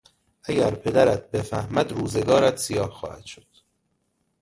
اگر پدرت بفهمد روزگارت سیاه خواهد شد.